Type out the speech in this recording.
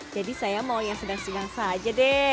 jadi saya mau yang sedang singang saja deh